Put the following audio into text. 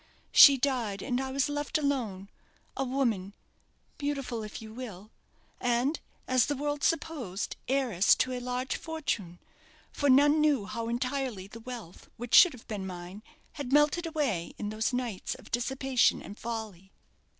She died, and I was left alone a woman; beautiful if you will, and, as the world supposed, heiress to a large fortune; for none knew how entirely the wealth which should have been mine had melted away in those nights of dissipation and folly.